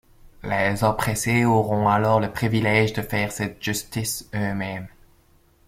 Les oppressés auront alors le privilège de faire cette justice eux-mêmes.